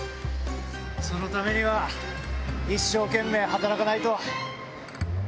そのためには一生懸命働かないと。